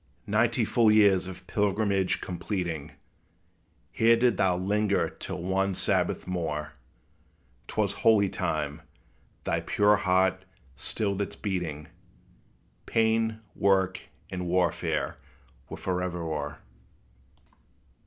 Ninety full years of pilgrimage completing, Here didst thou linger till one Sabbath more: 'T was holy time; thy pure heart stilled its beating; Pain, work, and warfare were forever o'er!